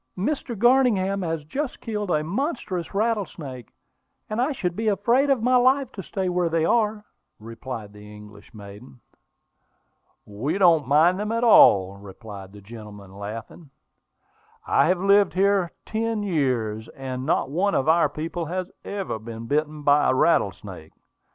Page 280.] "Mr. Garningham has just killed a monstrous rattlesnake; and I should be afraid of my life to stay where they are," replied the English maiden. "We don't mind them at all," replied the gentleman, laughing. "I have lived here ten years, and not one of our people has ever been bitten by a rattlesnake.